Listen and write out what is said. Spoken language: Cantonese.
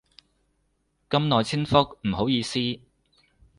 咁耐先覆，唔好意思